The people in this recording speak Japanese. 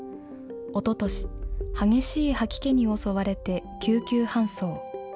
おととし、激しい吐き気に襲われて救急搬送。